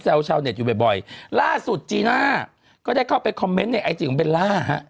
ชาวเน็ตอยู่บ่อยล่าสุดจีน่าก็ได้เข้าไปคอมเมนต์ในไอจีของเบลล่าฮะ